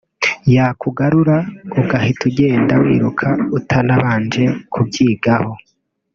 yakugarura ugahita ugenda wiruka utanabanje kubyigaho